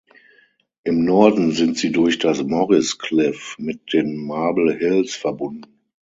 Im Norden sind sie durch das Morris Cliff mit den Marble Hills verbunden.